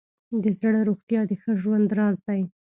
د زړه روغتیا د ښه ژوند راز دی.